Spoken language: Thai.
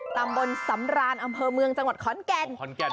ตำบลสำรานอำเภอเมืองจังหวัดขอนแก่น